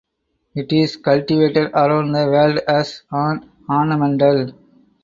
It is cultivated around the world as an ornamental.